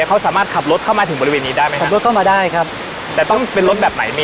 เขาสามารถขับรถเข้ามาถึงบริเวณนี้ได้ไหมครับขับรถเข้ามาได้ครับแต่ต้องเป็นรถแบบไหนมี